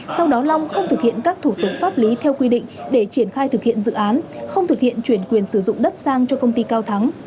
sau đó long không thực hiện các thủ tục pháp lý theo quy định để triển khai thực hiện dự án không thực hiện chuyển quyền sử dụng đất sang cho công ty cao thắng